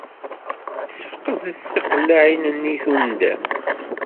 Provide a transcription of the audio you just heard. Sfeqdet tiqellaɛin-nni i tundam.